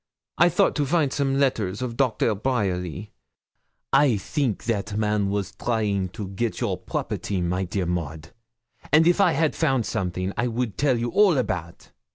I thought to find some letters of Dr. Braierly. I think that man was trying to get your property, my dear Maud, and if I had found something I would tell you all about.